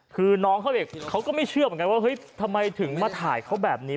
คือน้องเขาเด็กเขาก็ไม่เชื่อเหมือนกันว่าเฮ้ยทำไมถึงมาถ่ายเขาแบบนี้